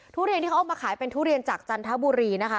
ทุเรียนที่เขาเอามาขายเป็นทุเรียนจากจันทบุรีนะคะ